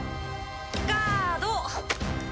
ガード！